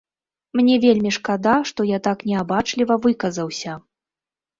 Мне вельмі шкада, што я так неабачліва выказаўся.